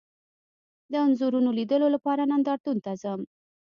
د انځورونو لیدلو لپاره نندارتون ته ځم